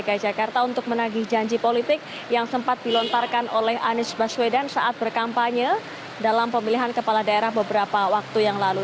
dki jakarta untuk menagih janji politik yang sempat dilontarkan oleh anies baswedan saat berkampanye dalam pemilihan kepala daerah beberapa waktu yang lalu